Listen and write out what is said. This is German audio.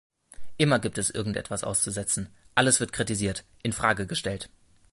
Immer gibt es irgend etwas auszusetzen, alles wird kritisiert, in Frage gestellt.